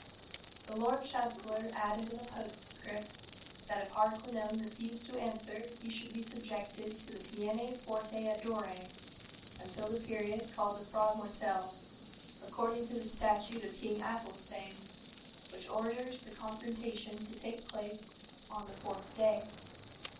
The Lord Chancellor added in a postscript that if Hardquanonne refused to answer he should be subjected to the peine forte et dure, until the period called the frodmortell, according to the statute of King Athelstane, which orders the confrontation to take place on the fourth day.